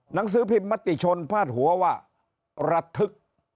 หนังสือพิมพ์มติชนพาดหัวว่าระทึก